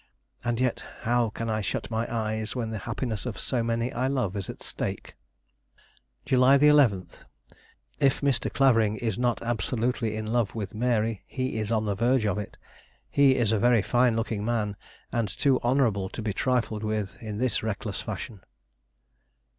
And yet, how can I shut my eyes when the happiness of so many I love is at stake! "July 11. If Mr. Clavering is not absolutely in love with Mary, he is on the verge of it. He is a very fine looking man, and too honorable to be trifled with in this reckless fashion.